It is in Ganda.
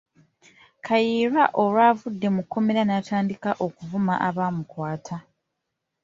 Kayiira olwavudde mu kkomera n'atandika okuvuma abaamukwata.